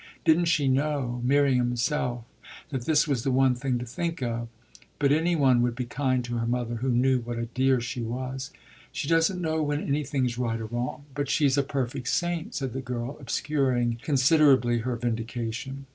Didn't she know, Miriam herself, that this was the one thing to think of? But any one would be kind to her mother who knew what a dear she was. "She doesn't know when any thing's right or wrong, but she's a perfect saint," said the girl, obscuring considerably her vindication.